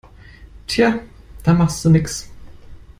Tja, da machste nix.